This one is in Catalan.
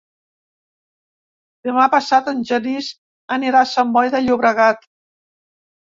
Demà passat en Genís anirà a Sant Boi de Llobregat.